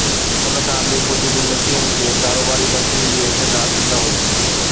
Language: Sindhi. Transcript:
ان کان اڳ ڪنهن به مشين کي ڪاروباري مشين جي حيثيت حاصل نه هئي